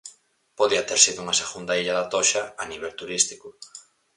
Podía ter sido unha segunda Illa da Toxa a nivel turístico.